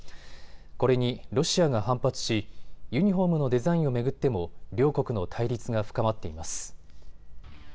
これにロシアが反発し、ユニフォームのデザインを巡っても両国の対立が深まっています。